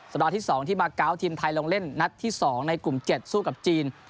ที่๒ที่มาเกาะทีมไทยลงเล่นนัดที่๒ในกลุ่ม๗สู้กับจีน